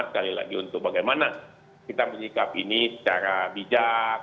sekali lagi untuk bagaimana kita menyikap ini secara bijak